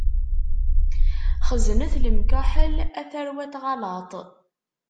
Xeznet lemkaḥel a tarwa n tɣalaḍt.